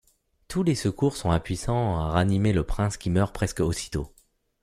Tous les secours sont impuissants à ranimer le prince qui meurt presque aussitôt.